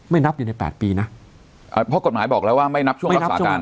นับอยู่ในแปดปีนะเพราะกฎหมายบอกแล้วว่าไม่นับช่วงรักษาการ